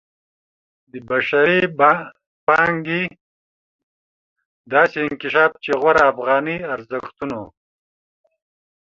د بشري پانګې داسې انکشاف چې غوره افغاني ارزښتونو